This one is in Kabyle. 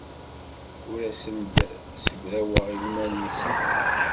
Ur asent-d-ssegraweɣ lmal-nsent.